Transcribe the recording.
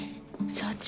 社長！